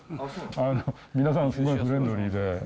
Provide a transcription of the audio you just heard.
皆さん、すごいフレンドリーで。